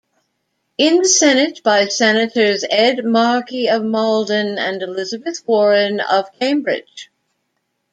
In the Senate by Senators Ed Markey of Malden and Elizabeth Warren of Cambridge.